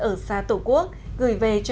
ở xa tổ quốc